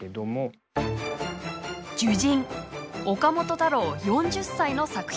岡本太郎４０歳の作品。